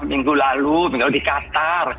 minggu lalu di qatar